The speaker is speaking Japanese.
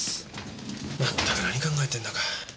まったく何考えてんだか。